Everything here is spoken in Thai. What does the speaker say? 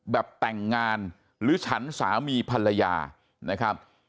แบบแต่งงานหรือฉันสามีภรรยานะครับ